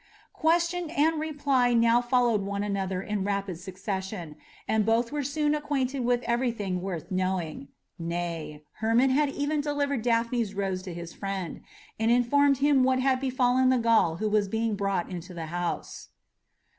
Question and reply now followed one another in rapid succession, and both were soon acquainted with everything worth knowing; nay, Hermon had even delivered Daphne's rose to his friend, and informed him what had befallen the Gaul who was being brought into the house.